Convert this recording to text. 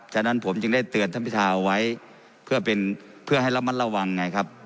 ฉะนั้นผมจึงได้เตือนท่านพิทาเอาไว้เพื่อเป็นเพื่อให้ระมัดระวังไงครับ